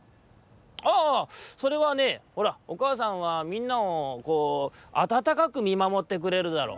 「ああああ。それはねほらおかあさんはみんなをこうあたたかくみまもってくれるだろう？